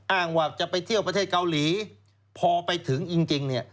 อ้างว่าจะไปเที่ยวประเทศเกาหลีพอไปถึงจริงเนี่ย